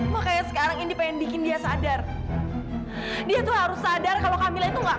makanya sekarang indy pengen bikin dia sadar dia tuh harus sadar kalau camilla itu enggak